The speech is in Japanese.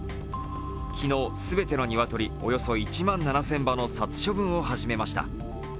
昨日、全ての鶏、およそ１万７０００羽の殺処分が始めました。